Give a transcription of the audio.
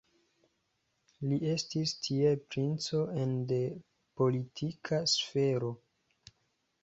Li estis tiele princo ene de politika sfero.